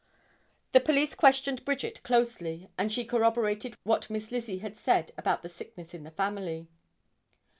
The police questioned Bridget closely and she corroborated what Miss Lizzie had said about the sickness in the family.